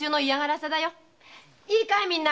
いいかいみんな。